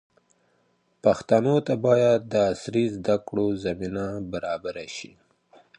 پښتنو ته باید د عصري زده کړو زمینه برابره شي.